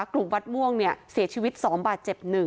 กลุ่มวัดม่วงเสียชีวิต๒บาทเจ็บ๑